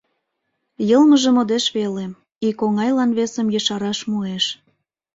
Йылмыже модеш веле, ик оҥайлан весым ешараш муэш...